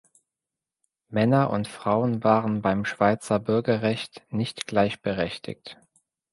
Männer und Frauen waren beim Schweizer Bürgerrecht nicht gleichberechtigt.